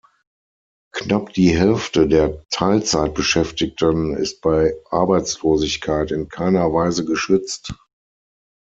Knapp die Hälfte der Teilzeitbeschäftigten ist bei Arbeitslosigkeit in keiner Weise geschützt.